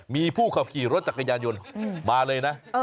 มีผู้ขับขี่รถจักรยานยนต์มาเลยนะ